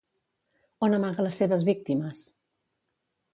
On amaga les seves víctimes?